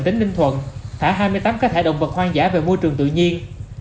tỉnh ninh thuận thả hai mươi tám cá thể động vật hoang dã về môi trường tự nhiên